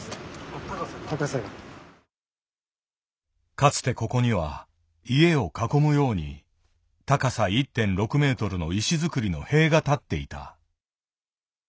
かつてここには家を囲むように高さ１．６メートルの石造りの塀がたっていた。